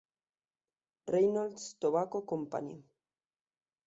Reynolds Tobacco Company.